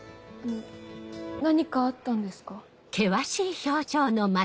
何かあったんですか？